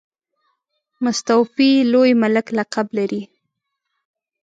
مستوفي لوی ملک لقب لري.